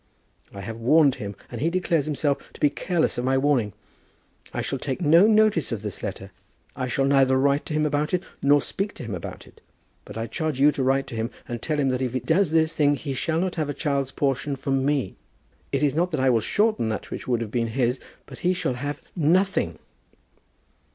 I have warned him, and he declares himself to be careless of my warning. I shall take no notice of this letter. I shall neither write to him about it, or speak to him about it. But I charge you to write to him, and tell him that if he does this thing he shall not have a child's portion from me. It is not that I will shorten that which would have been his; but he shall have nothing!"